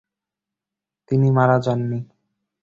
তিনি মারা যাননি।